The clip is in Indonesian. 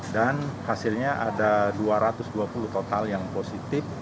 hasilnya ada dua ratus dua puluh total yang positif